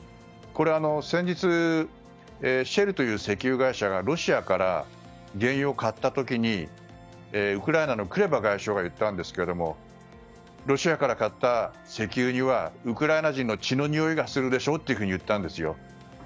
これは先日シェルという石油会社がロシアから原油を買った時にウクライナのクレバ外相が言ったんですけどロシアから買った石油にはウクライナ人の血のにおいがするでしょう？と言ったんです。